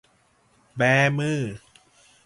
แบมือ